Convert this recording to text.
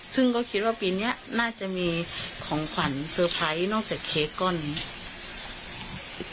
ซึ่งก็คิดว่าปีนี้น่าจะมีของขวัญเซอร์ไพรส์นอกจากเค้กก้อนนี้